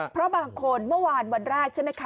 เพราะบางคนเมื่อวานวันแรกใช่ไหมคะ